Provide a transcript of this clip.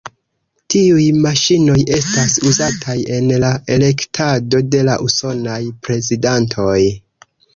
Tiuj maŝinoj estas uzataj en la elektado de la usonaj prezidantoj.